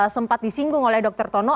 sempat disinggung oleh dr tono